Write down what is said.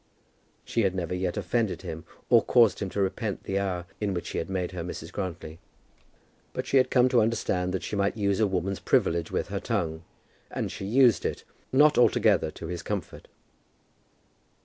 She had never yet offended him, or caused him to repent the hour in which he had made her Mrs. Grantly. But she had come to understand that she might use a woman's privilege with her tongue; and she used it, not altogether to his comfort.